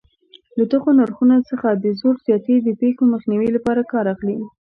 له دغو نرخونو څخه د زور زیاتي د پېښو مخنیوي لپاره کار اخلي.